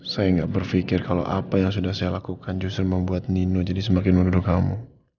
saya nggak berpikir kalau apa yang sudah saya lakukan justru membuat nino jadi semakin menuduh kamu